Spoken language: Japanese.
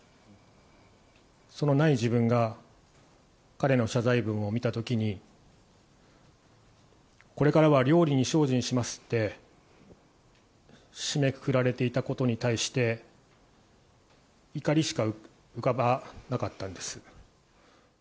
そのない文が彼の謝罪文を見た時にこれからは料理に精進しますって締めくくられていたことに対して怒りしか浮かばなかったんです。